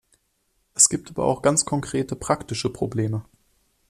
Es gibt aber auch ganz konkrete praktische Probleme.